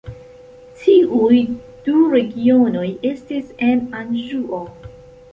Tiuj du regionoj estis en Anĵuo.